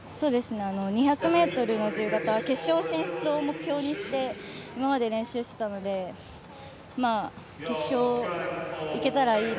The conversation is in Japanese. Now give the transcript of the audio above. ２００ｍの自由形は決勝進出を目標に今まで練習してたので決勝いけたらいいな。